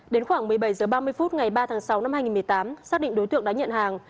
đến khoảng một mươi bảy h ba mươi phút ngày ba tháng sáu năm hai nghìn một mươi tám xác định đối tượng đã nhận hàng